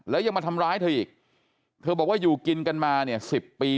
แล้วยังมาทำร้ายเธออีกเธอบอกว่าอยู่กินกันมาเนี่ยสิบปี